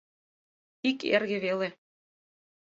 — Ик эрге веле.